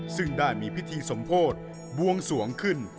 ซึ่งได้มีพิธีสมโพธิบวงสวงขึ้น